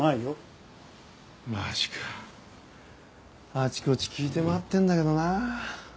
あちこち聞いて回ってんだけどな。